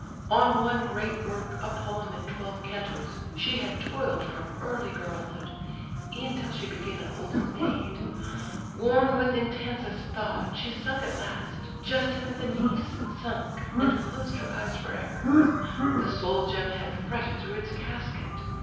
On one great work, A poem in twelve cantos, she had toiled From early girlhood, e'en till she became An olden maid. Worn with intensest thought, She sunk at last, just at the "finis" sunk! And closed her eyes forever! The soul gem Had fretted through its casket!